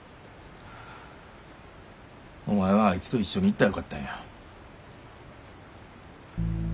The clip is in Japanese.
お前はあいつと一緒に行ったらよかったんや。